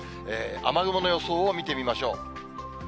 雨雲の予想を見てみましょう。